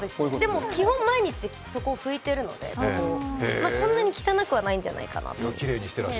でも、基本毎日、そこは拭いているので、そんなに汚くはないんじゃないかなと。